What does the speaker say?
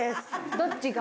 どっちが？